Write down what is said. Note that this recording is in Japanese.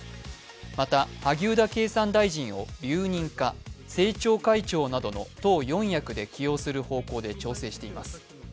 また、萩生田経産大臣を留任か政調会長などの党四役で起用する方向で調整しています。